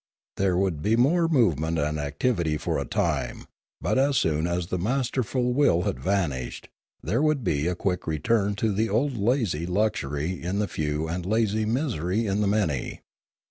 There would be more movement and activity for a time, but as soon as the masterful will had vanished, there would be a quick return to the old lazy luxury in the few and lazy misery in the many.